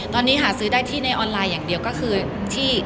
ตอนนี้หาซื้อได้ที่ในออนไลน์อย่างเดียวก็คือที่